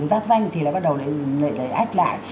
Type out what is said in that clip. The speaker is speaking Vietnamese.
giáp danh thì lại bắt đầu lại ách lại